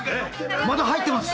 まだ入ってます。